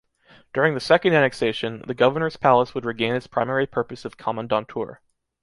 During the second annexation, the governor’s palace would regain it’s primary purpose of Kommandantur.